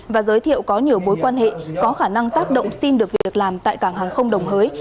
và giới thiệu có nhiều mối quan hệ có khả năng tác động xin được việc làm tại cảng hàng không đồng hới